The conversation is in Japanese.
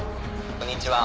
こんにちは。